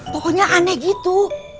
pokoknya aneh gitu